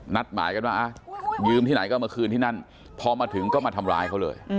นัดหมายกันว่ายืมที่ไหนก็เอามาคืนที่นั่นพอมาถึงก็มาทำร้ายเขาเลย